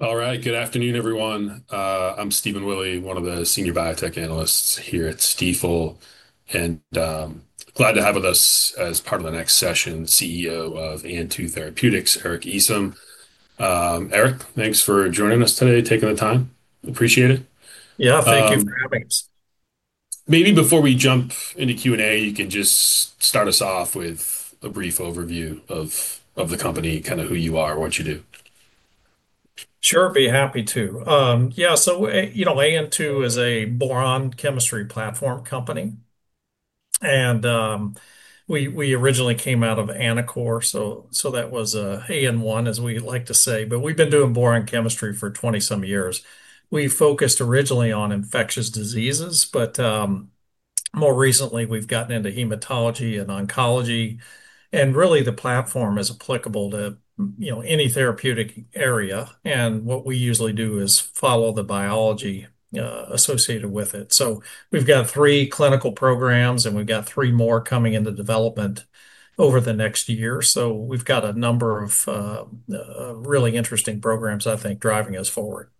All right. Good afternoon, everyone. I'm Stephen Willey, one of the senior biotech analysts here at Stifel. Glad to have with us as part of the next session, CEO of AN2 Therapeutics, Eric Easom. Eric, thanks for joining us today, taking the time. Appreciate it. Yeah. Thank you for having us. Maybe before we jump into Q&A, you can just start us off with a brief overview of the company, kind of who you are, what you do. Sure. Be happy to. You know, AN2 is a boron chemistry platform company. We originally came out of Anacor, so that was AN1, as we like to say. We've been doing boron chemistry for 20 some years. We focused originally on infectious diseases, but, more recently we've gotten into hematology and oncology. Really the platform is applicable to, you know, any therapeutic area. What we usually do is follow the biology associated with it. We've got three clinical programs. We've got three more coming into development over the next year. We've got a number of really interesting programs, I think, driving us forward.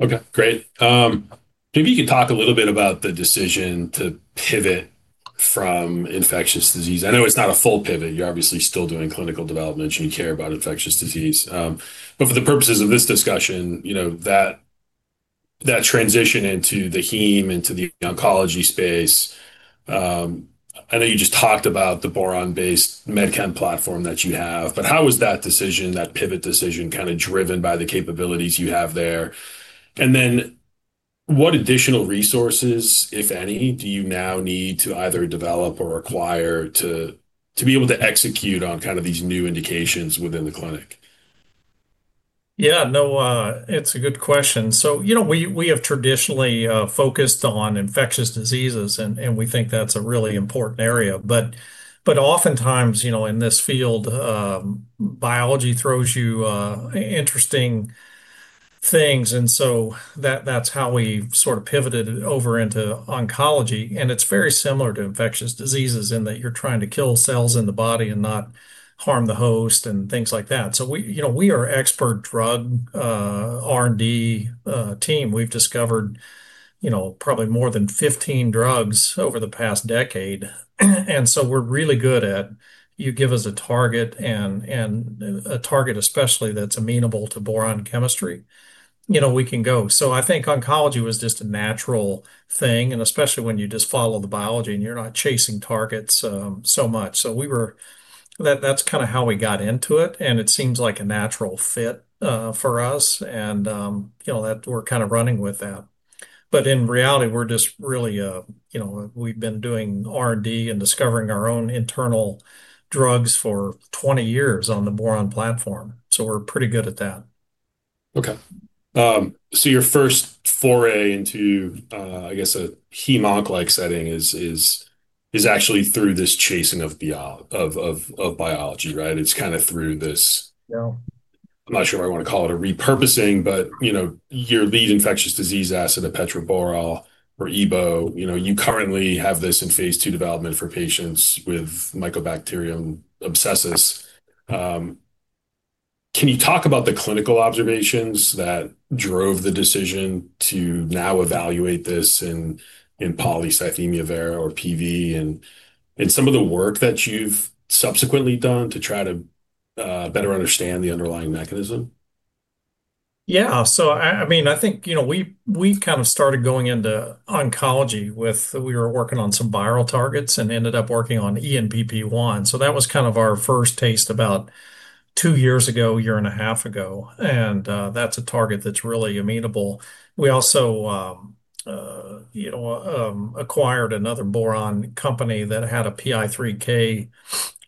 Okay, great. Maybe you could talk a little bit about the decision to pivot from infectious disease. I know it's not a full pivot. You're obviously still doing clinical development, and you care about infectious disease. For the purposes of this discussion, you know, that transition into the heme, into the oncology space, I know you just talked about the boron-based med chem platform that you have, but how is that decision, that pivot decision kind of driven by the capabilities you have there? What additional resources, if any, do you now need to either develop or acquire to be able to execute on kind of these new indications within the clinic? Yeah. No, it's a good question. You know, we have traditionally focused on infectious diseases, and we think that's a really important area. But oftentimes, you know, in this field, biology throws you interesting things, that's how we sort of pivoted over into oncology. It's very similar to infectious diseases in that you're trying to kill cells in the body and not harm the host and things like that. We, you know, we are expert drug R&D team. We've discovered, you know, probably more than 15 drugs over the past decade. We're really good at, you give us a target and a target especially that's amenable to boron chemistry. You know, we can go. I think oncology was just a natural thing, and especially when you just follow the biology and you're not chasing targets, so much. That's kinda how we got into it, and it seems like a natural fit for us. You know, that we're kind of running with that. In reality, we're just really, you know, we've been doing R&D and discovering our own internal drugs for 20 years on the boron platform. We're pretty good at that. Okay. Your first foray into, I guess a hematologic-like setting is actually through this chasing of biology, right? Yeah I'm not sure I wanna call it a repurposing, but, you know, your lead infectious disease asset of epetraborole or EBO, you know, you currently have this in phase II development for patients with Mycobacterium abscessus. Can you talk about the clinical observations that drove the decision to now evaluate this in polycythemia vera or PV and in some of the work that you've subsequently done to try to better understand the underlying mechanism? We've kind of started going into oncology. We were working on some viral targets and ended up working on ENPP1. That was kind of our first taste about two years ago, a year and a half ago. That's a target that's really amenable. We also acquired another boron company that had a PI3K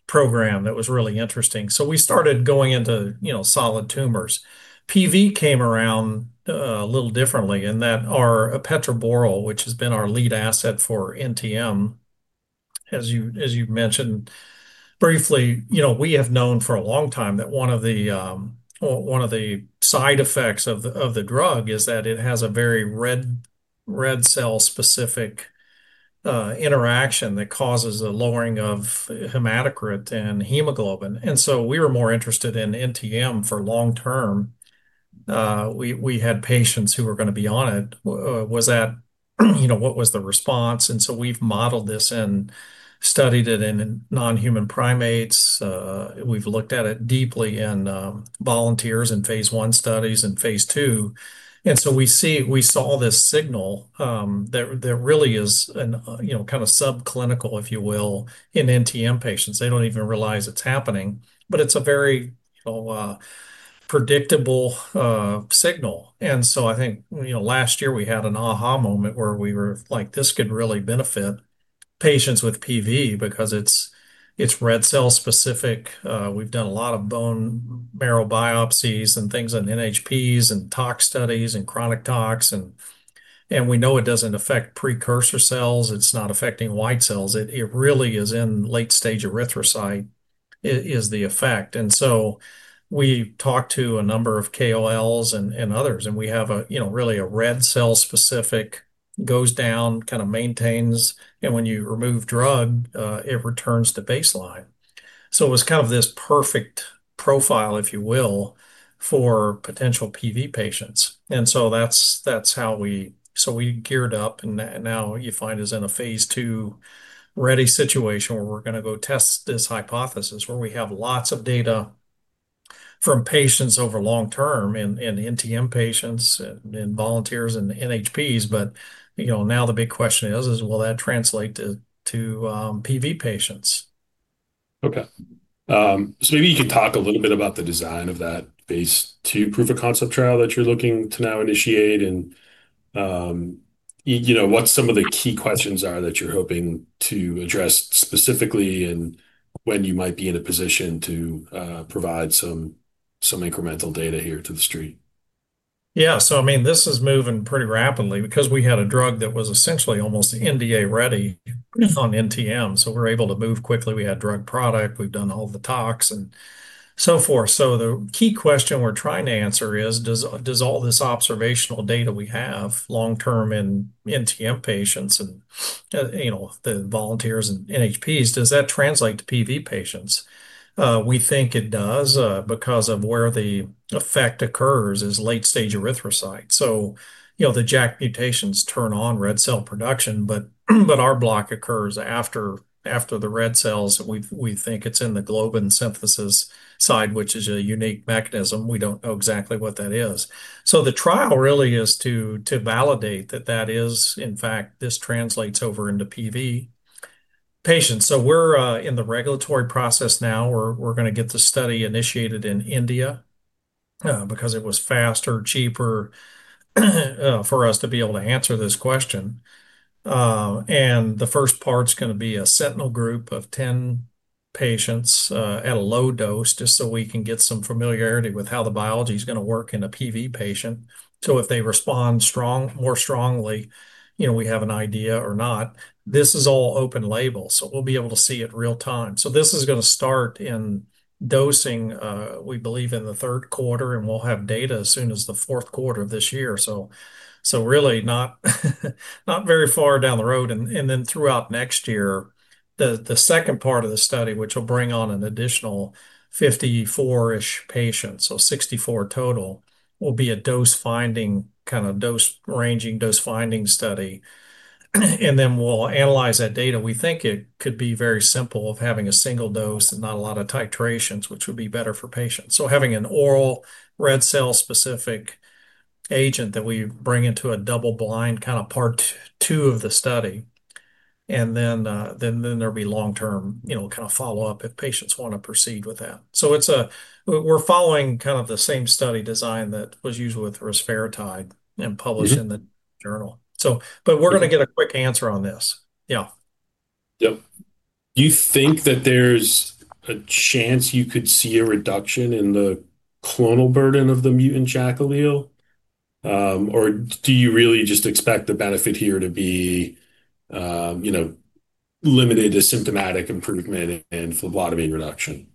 program that was really interesting. We started going into solid tumors. PV came around a little differently in that our epetraborole, which has been our lead asset for NTM, as you, as you've mentioned briefly, you know, we have known for a long time that one of the side effects of the drug is that it has a very red cell specific interaction that causes a lowering of hematocrit and hemoglobin. We were more interested in NTM for long-term. We had patients who were gonna be on it. Was that, you know, what was the response? We've modeled this and studied it in non-human primates. We've looked at it deeply in volunteers in phase I studies and phase II. We saw this signal that really is, you know, kind of subclinical, if you will, in NTM patients. They don't even realize it's happening, but it's a very, you know, predictable signal. I think, you know, last year we had an aha moment where we were like, "This could really benefit patients with PV because it's red cell specific." We've done a lot of bone marrow biopsies and things in NHPs and tox studies and chronic tox, and we know it doesn't affect precursor cells. It's not affecting white cells. It really is in late stage erythrocyte, is the effect. We talked to a number of KOLs and others, and we have a, you know, really a red cell specific, goes down, kind of maintains. When you remove drug, it returns to baseline. It was kind of this perfect profile, if you will, for potential PV patients. That's how we geared up, now you find us in a phase II-ready situation where we're gonna go test this hypothesis, where we have lots of data from patients over long term, and NTM patients and volunteers and NHPs. You know, now the big question is, will that translate to PV patients? Okay. Maybe you can talk a little bit about the design of that phase II proof of concept trial that you're looking to now initiate and, you know, what some of the key questions are that you're hoping to address specifically and when you might be in a position to provide some incremental data here to the street? Yeah. I mean, this is moving pretty rapidly because we had a drug that was essentially almost NDA-ready on NTM, so we're able to move quickly. We had drug product, we've done all the tox, and so forth. The key question we're trying to answer is, does all this observational data we have long term in NTM patients and, you know, the volunteers and NHPs, does that translate to PV patients? We think it does because of where the effect occurs is late stage erythrocyte. You know, the JAK mutations turn on red cell production, but our block occurs after the red cells. We think it's in the globin synthesis side, which is a unique mechanism. We don't know exactly what that is. The trial really is to validate that that is in fact, this translates over into PV patients. We're in the regulatory process now. We're gonna get the study initiated in India because it was faster, cheaper, for us to be able to answer this question. The first part's gonna be a sentinel group of 10 patients at a low dose, just so we can get some familiarity with how the biology's gonna work in a PV patient. If they respond more strongly, you know, we have an idea or not. This is all open-label, we'll be able to see it real-time. This is gonna start in dosing, we believe in the third quarter, we'll have data as soon as the fourth quarter of this year. Really not very far down the road. Throughout next year, the second part of the study, which will bring on an additional 54-ish patients, so 64 total, will be a dose finding, kind of dose ranging, dose finding study. Then we'll analyze that data. We think it could be very simple of having a single dose and not a lot of titrations, which would be better for patients. Having an oral red cell-specific agent that we bring into a double-blind kind of part II of the study, then there'll be long-term, you know, kind of follow-up if patients wanna proceed with that. We're following kind of the same study design that was used with rusfertide and published. In the journal. We're gonna get a quick answer on this. Yeah. Yep. Do you think that there's a chance you could see a reduction in the clonal burden of the mutant JAK allele? Or do you really just expect the benefit here to be, you know, limited to symptomatic improvement and phlebotomy reduction?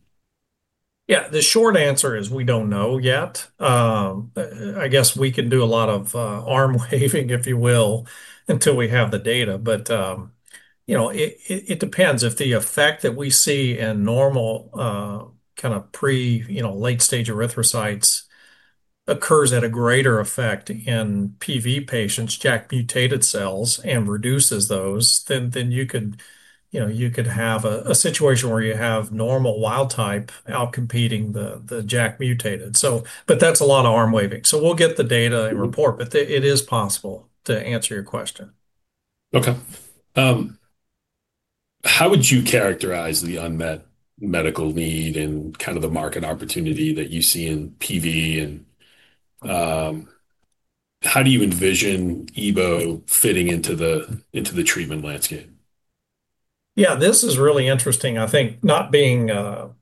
Yeah. The short answer is we don't know yet. I guess we can do a lot of arm waving, if you will, until we have the data. You know, it, it depends. If the effect that we see in normal, kind of pre, you know, late stage erythrocytes occurs at a greater effect in PV patients, JAK mutated cells, and reduces those, then you could, you know, you could have a situation where you have normal wild type outcompeting the JAK mutated. That's a lot of arm waving. We'll get the data and report. It, it is possible, to answer your question. Okay. How would you characterize the unmet medical need and kind of the market opportunity that you see in PV and how do you envision EBO fitting into the treatment landscape? This is really interesting. I think not being, you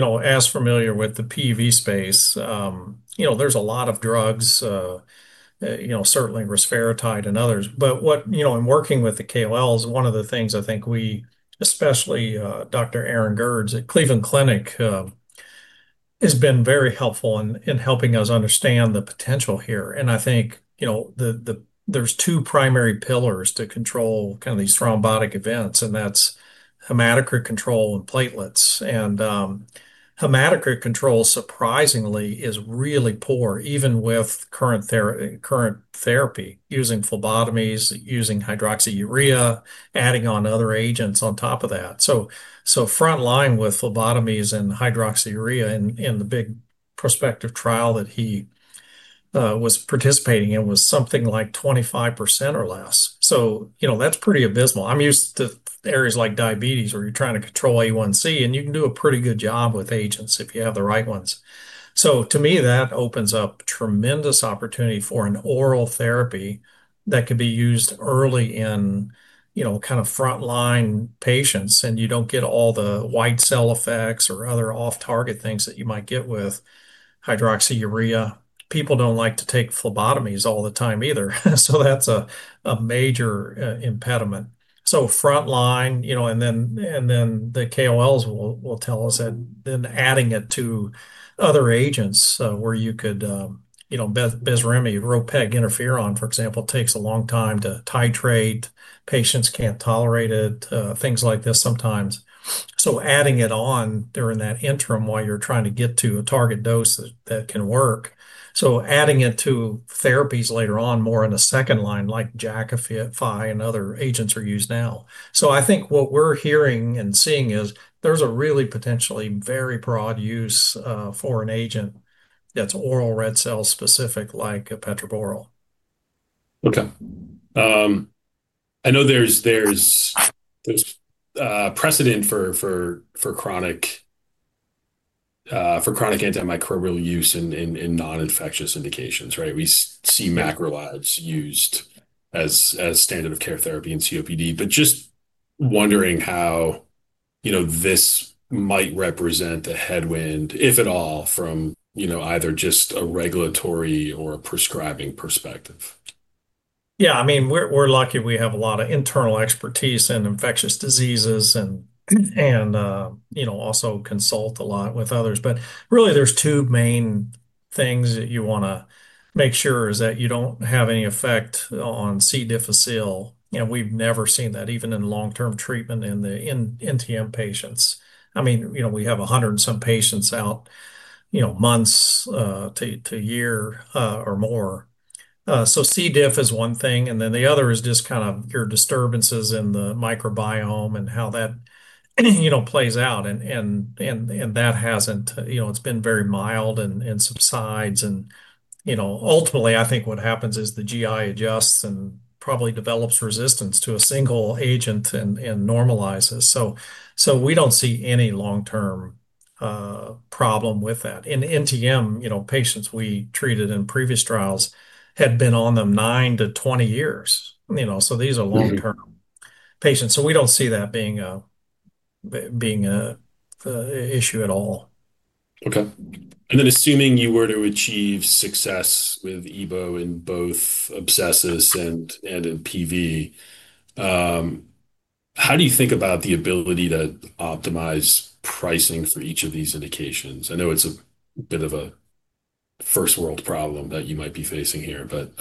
know, as familiar with the PV space, you know, there's a lot of drugs, you know, certainly rusfertide and others. What, you know, in working with the KOLs, one of the things I think we, especially, Dr. Aaron Gerds at Cleveland Clinic, has been very helpful in helping us understand the potential here. I think, you know, there's two primary pillars to control kind of these thrombotic events, and that's hematocrit control and platelets. Hematocrit control, surprisingly, is really poor, even with current therapy, using phlebotomies, using hydroxyurea, adding on other agents on top of that. Frontline with phlebotomies and hydroxyurea in the big prospective trial that he was participating in was something like 25% or less. You know, that's pretty abysmal. I'm used to areas like diabetes where you're trying to control A1C, and you can do a pretty good job with agents if you have the right ones. To me, that opens up tremendous opportunity for an oral therapy that could be used early in, you know, kind of frontline patients, and you don't get all the white cell effects or other off-target things that you might get with hydroxyurea. People don't like to take phlebotomies all the time either, that's a major impediment. Frontline, you know, the KOLs will tell us, and then adding it to other agents, where you could, you know, BESREMi, ropeginterferon, for example, takes a long time to titrate. Patients can't tolerate it, things like this sometimes. Adding it on during that interim while you're trying to get to a target dose that can work. Adding it to therapies later on more in a second line, like Jakafi and other agents are used now. I think what we're hearing and seeing is there's a really potentially very broad use for an agent that's oral red cell specific like epetraborole. Okay. I know there's precedent for chronic antimicrobial use in non-infectious indications, right? We see macrolides used as standard of care therapy in COPD, just wondering how, you know, this might represent a headwind, if at all, from, you know, either just a regulatory or a prescribing perspective. Yeah. I mean, we're lucky we have a lot of internal expertise in infectious diseases and, you know, also consult a lot with others. Really there's two main things that you want to make sure is that you don't have any effect on C. difficile, and we've never seen that even in long-term treatment in NTM patients. I mean, you know, we have 100 and some patients out, you know, months to a year or more. C. diff is one thing, and then the other is just kind of your disturbances in the microbiome and how that, you know, plays out. You know, it's been very mild and subsides and, you know. Ultimately, I think what happens is the GI adjusts and probably develops resistance to a single agent and normalizes. We don't see any long-term problem with that. In NTM, you know, patients we treated in previous trials had been on them 9-20 years. You know, these are long-term. Patients. We don't see that being a issue at all. Okay. Then assuming you were to achieve success with EBO in both abscesses and in PV, how do you think about the ability to optimize pricing for each of these indications? I know it's a bit of a first-world problem that you might be facing here, but,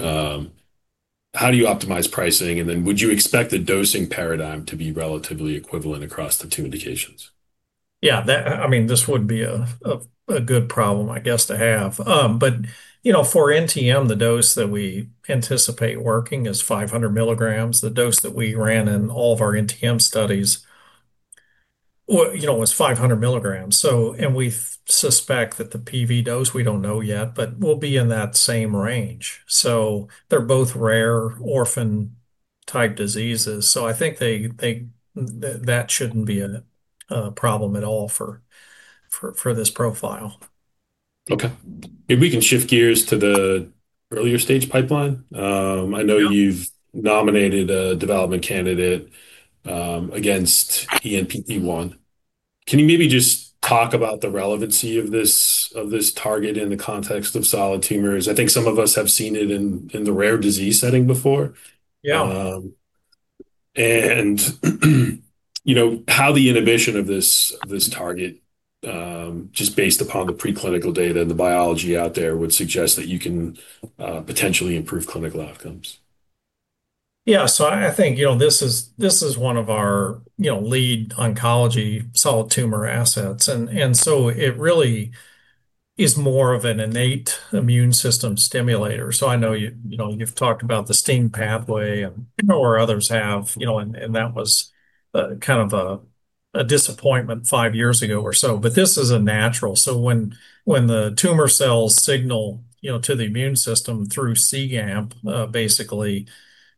how do you optimize pricing? Would you expect the dosing paradigm to be relatively equivalent across the two indications? I mean, this would be a good problem, I guess, to have. You know, for NTM, the dose that we anticipate working is 500 mg. The dose that we ran in all of our NTM studies was 500 mg. We suspect that the PV dose, we don't know yet, but will be in that same range. They're both rare orphan-type diseases, so I think that shouldn't be a problem at all for this profile. Okay. If we can shift gears to the earlier stage pipeline. Yeah You've nominated a development candidate, against ENPP1. Can you maybe just talk about the relevancy of this target in the context of solid tumors? I think some of us have seen it in the rare disease setting before. Yeah. You know, how the inhibition of this target, just based upon the preclinical data and the biology out there would suggest that you can potentially improve clinical outcomes. Yeah. I think, you know, this is, this is one of our, you know, lead oncology solid tumor assets. It really is more of an innate immune system stimulator. I know you know, you've talked about the STING pathway, you know, or others have, you know, that was kind of a disappointment five years ago or so. This is a natural. When the tumor cells signal, you know, to the immune system through cGAMP, basically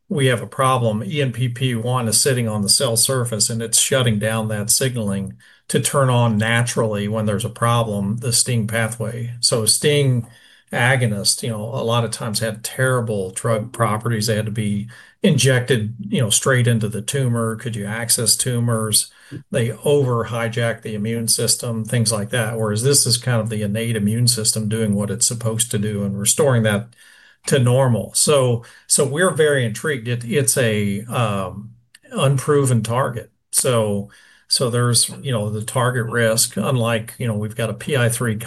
we have a problem. ENPP1 is sitting on the cell surface, it's shutting down that signaling to turn on naturally when there's a problem, the STING pathway. A STING agonist, you know, a lot of times had terrible drug properties. They had to be injected, you know, straight into the tumor. Could you access tumors? They over-hijack the immune system, things like that. Whereas this is kind of the innate immune system doing what it's supposed to do and restoring that to normal. We're very intrigued. It's an unproven target. There's, you know, the target risk, unlike, you know, we've got a PI3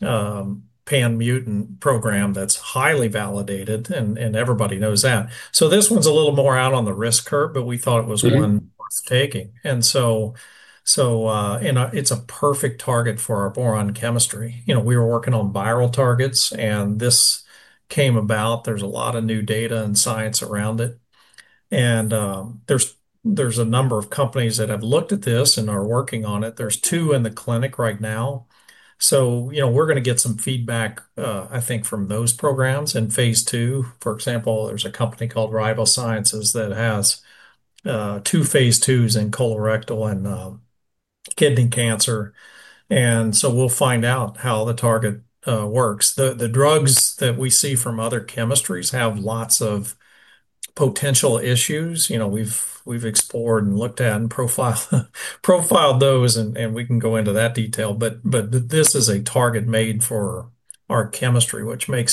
kinase pan-mutant program that's highly validated, and everybody knows that. This one's a little more out on the risk curve, but we thought it was. one worth taking. It's a perfect target for our boron chemistry. You know, we were working on viral targets, and this came about. There's a lot of new data and science around it. There's a number of companies that have looked at this and are working on it. There's two in the clinic right now. You know, we're gonna get some feedback, I think from those programs. In phase II, for example, there's a company called Riboscience that has two phase IIs in colorectal and kidney cancer. We'll find out how the target works. The drugs that we see from other chemistries have lots of potential issues. You know, we've explored and looked at and profiled those, and we can go into that detail. This is a target made for our chemistry, which made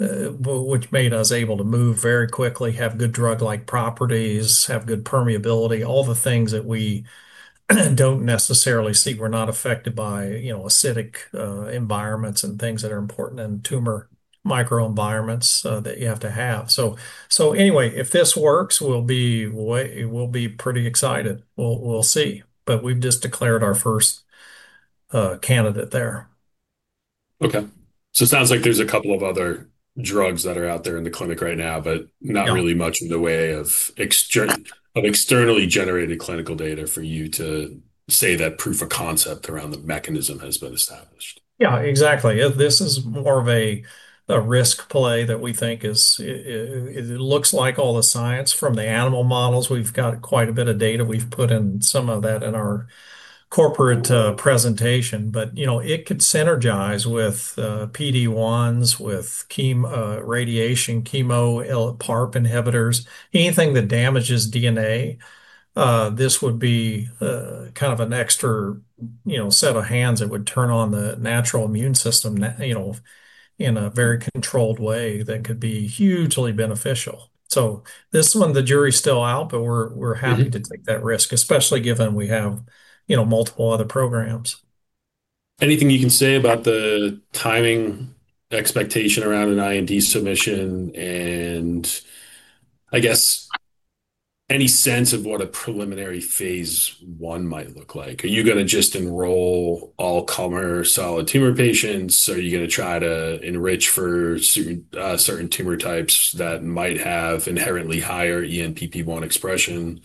us able to move very quickly, have good drug-like properties, have good permeability, all the things that we don't necessarily see. We're not affected by acidic environments and things that are important in tumor microenvironments that you have to have. If this works, we'll be pretty excited. We'll see. We've just declared our first candidate there. It sounds like there's a couple of other drugs that are out there in the clinic right now. Yeah not really much in the way of externally generated clinical data for you to say that proof of concept around the mechanism has been established. Yeah, exactly. This is more of a risk play that we think is, it looks like all the science from the animal models. We've got quite a bit of data. We've put in some of that in our corporate presentation, you know, it could synergize with PD-1s, with radiation, chemo, PARP inhibitors. Anything that damages DNA, this would be kind of an extra, you know, set of hands that would turn on the natural immune system, you know, in a very controlled way that could be hugely beneficial. This one, the jury's still out. To take that risk, especially given we have, you know, multiple other programs. Anything you can say about the timing expectation around an IND submission, and I guess any sense of what a preliminary phase I might look like? Are you gonna just enroll all-comer solid tumor patients? Are you gonna try to enrich for certain tumor types that might have inherently higher ENPP1 expression?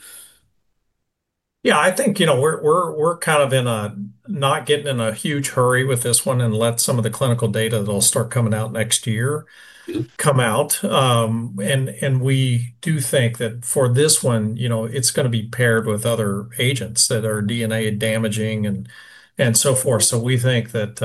Yeah. I think, you know, we're kind of in a not getting in a huge hurry with this one, and let some of the clinical data that'll start coming out next year come out. We do think that for this one, you know, it's gonna be paired with other agents that are DNA damaging and so forth. We think that,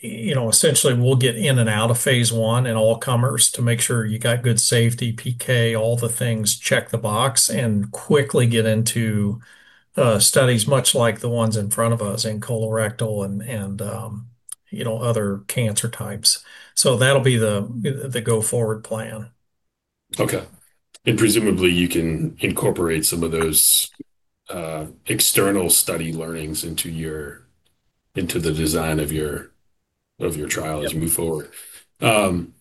you know, essentially we'll get in and out of phase I and all comers to make sure you got good safety, PK, all the things, check the box, and quickly get into studies much like the ones in front of us in colorectal and, you know, other cancer types. That'll be the go forward plan. Okay. Presumably you can incorporate some of those external study learnings into the design of your trial. Yep as you move forward. You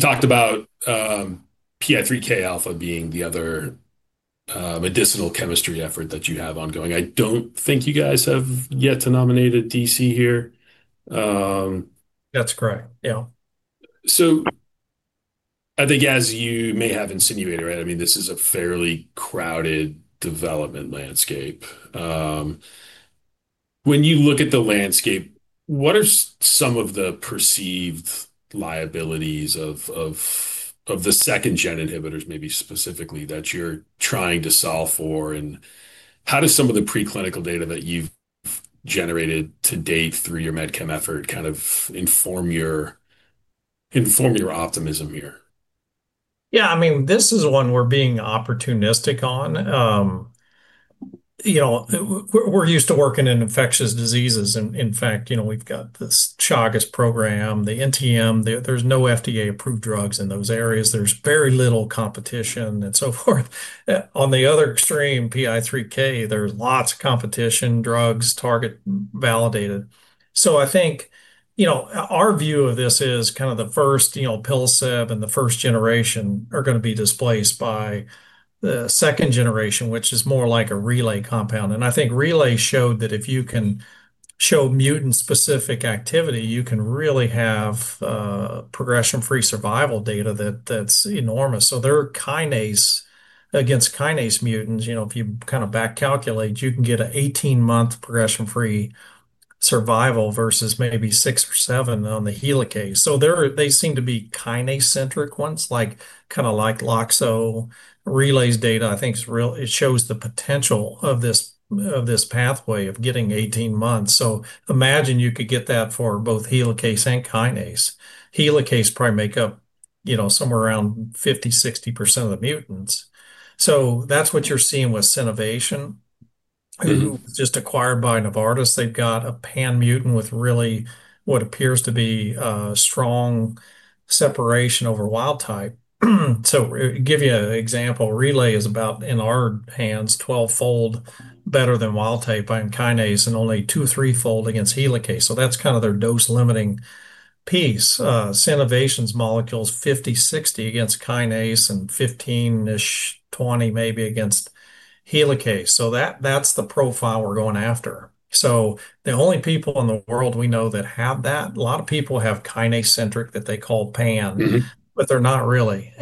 talked about PI3K alpha being the other medicinal chemistry effort that you have ongoing. I don't think you guys have yet to nominate a DC here. That's correct. Yeah. I think as you may have insinuated, right, I mean, this is a fairly crowded development landscape. When you look at the landscape, what are some of the perceived liabilities of the second gen inhibitors, maybe specifically, that you're trying to solve for? How does some of the preclinical data that you've generated to date through your med chem effort kind of inform your optimism here? Yeah. I mean, this is one we're being opportunistic on. You know, we're used to working in infectious diseases and in fact, you know, we've got this Chagas program, the NTM. There's no FDA-approved drugs in those areas. There's very little competition and so forth. On the other extreme, PI3K, there's lots of competition, drugs, target, validated. I think, you know, our view of this is kind of the first, you know, alpelisib and the first generation are gonna be displaced by the second generation, which is more like a Relay compound. I think Relay showed that if you can show mutant-specific activity, you can really have progression-free survival data that's enormous. There are kinase against kinase mutants, you know, if you kind of back calculate, you can get a 18-month progression-free survival versus maybe six or seven on the helicase. They seem to be kinase-centric ones, like, kinda like Qinlock. Relay's data I think is real. It shows the potential of this pathway of getting 18 months. Imagine you could get that for both helicase and kinase. Helicase probably make up, you know, somewhere around 50%, 60% of the mutants. That's what you're seeing with Synnovation. who was just acquired by Novartis. They've got a pan-mutant with really what appears to be a strong separation over wild type. Give you an example. Relay is about, in our hands, 12-fold better than wild type on kinase and only two, three-fold against helicase. That's kind of their dose-limiting piece. Synnovation's molecule is 50, 60 against kinase and 15-ish, 20 maybe against helicase. That's the profile we're going after. The only people in the world we know that have that, a lot of people have kinase-centric that they call pan- They're not really.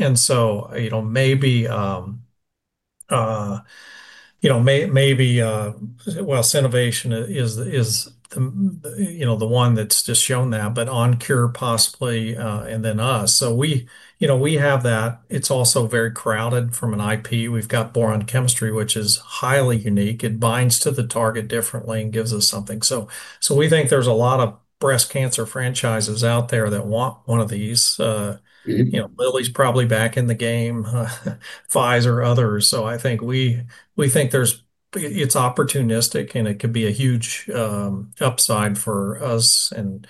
You know, maybe, well, Synnovation is the, you know, the one that's just shown that, but OnKure possibly, and then us. We, you know, we have that. It's also very crowded from an IP. We've got boron chemistry, which is highly unique. It binds to the target differently and gives us something. We think there's a lot of breast cancer franchises out there that want one of these. You know, Lilly's probably back in the game, Pfizer, others. I think we think it's opportunistic, and it could be a huge upside for us and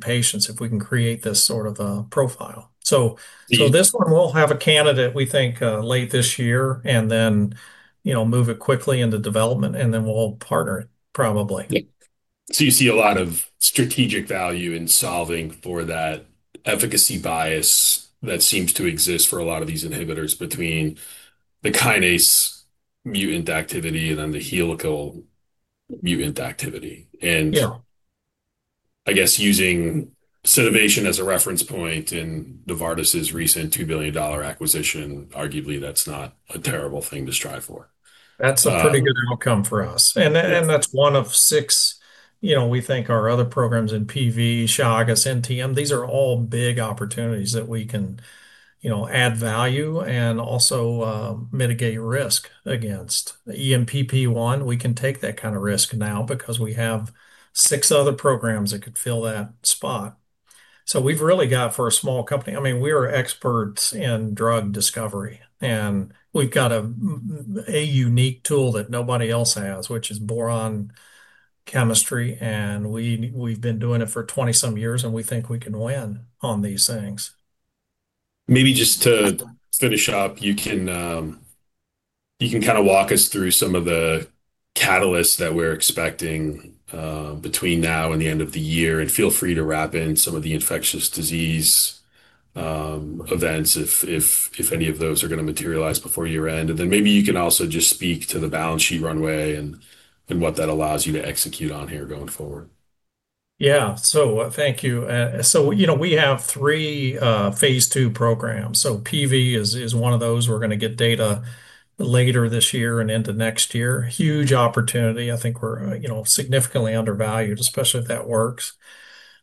patients if we can create this sort of a profile. Yeah This one, we'll have a candidate, we think, late this year and then, you know, move it quickly into development, and then we'll partner it probably. You see a lot of strategic value in solving for that efficacy bias that seems to exist for a lot of these inhibitors between the kinase mutant activity and then the helical mutant activity. Yeah I guess using Synnovation Therapeutics as a reference point in Novartis’ recent $2 billion acquisition, arguably that’s not a terrible thing to strive for. That's a pretty good outcome for us. That's one of six, you know, we think our other programs in PV, Chagas, NTM, these are all big opportunities that we can, you know, add value and also mitigate risk against ENPP1. We can take that kind of risk now because we have six other programs that could fill that spot. We've really got, for a small company, I mean, we are experts in drug discovery, and we've got a unique tool that nobody else has, which is boron chemistry, and we've been doing it for 20 some years, and we think we can win on these things. Maybe just to finish up, you can kind of walk us through some of the catalysts that we're expecting between now and the end of the year. Feel free to wrap in some of the infectious disease events if any of those are gonna materialize before year-end. Then maybe you can also just speak to the balance sheet runway and what that allows you to execute on here going forward. Yeah. Thank you. You know, we have three phase II programs. PV is one of those we're going to get data later this year and into next year. Huge opportunity. I think we're, you know, significantly undervalued, especially if that works.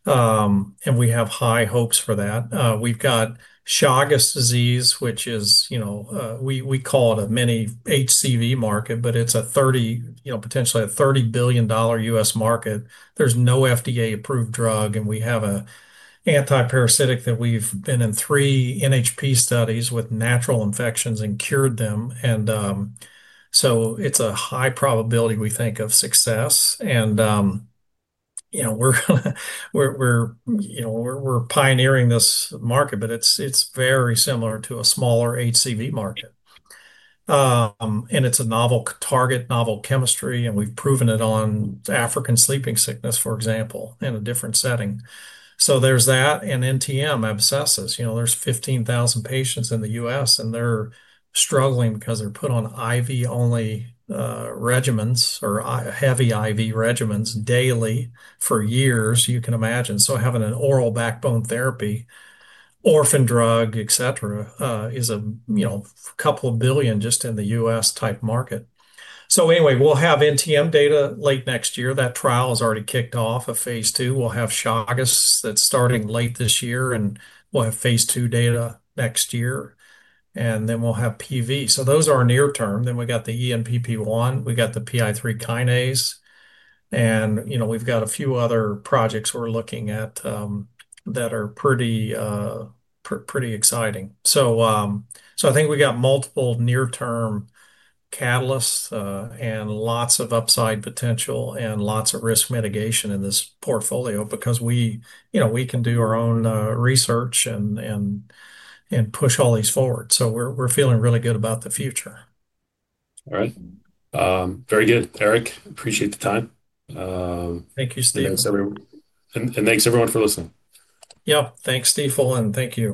We have high hopes for that. We've got Chagas disease, which is, you know, we call it a mini HCV market, but it's a, you know, potentially a $30 billion U.S. market. There's no FDA-approved drug, we have a antiparasitic that we've been in three NHP studies with natural infections and cured them. It's a high probability, we think, of success. You know, we're pioneering this market, but it's very similar to a smaller HCV market. It's a novel target, novel chemistry, and we've proven it on African sleeping sickness, for example, in a different setting. There's that, NTM abscesses. You know, there's 15,000 patients in the U.S., and they're struggling because they're put on IV-only regimens or heavy IV regimens daily for years, you can imagine. Having an oral backbone therapy, orphan drug, et cetera, is a, you know, a couple of billion just in the U.S.-type market. Anyway, we'll have NTM data late next year. That trial has already kicked off a phase II. We'll have Chagas that's starting late this year, and we'll have phase II data next year. We'll have PV. Those are near term. We got the ENPP1, we got the PI3 kinase, and, you know, we've got a few other projects we're looking at that are pretty exciting. I think we got multiple near-term catalysts and lots of upside potential and lots of risk mitigation in this portfolio because we, you know, we can do our own research and push all these forward. We're feeling really good about the future. All right. Very good. Eric, appreciate the time. Thank you, Steve. Thanks everyone for listening. Yep. Thanks, Stephen Willey. Thank you.